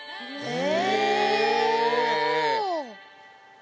え！？